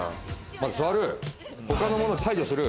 まず座る。